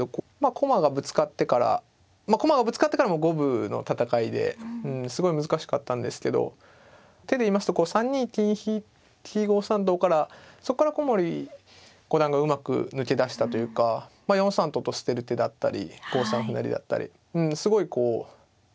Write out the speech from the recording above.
駒がぶつかってからまあ駒がぶつかってからも五分の戦いですごい難しかったんですけど手で言いますと３二金引５三とからそこから古森五段がうまく抜け出したというか４三とと捨てる手だったり５三歩成だったりうんすごいこう何ていうんですかね